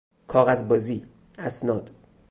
کاغذ بازی، اسناد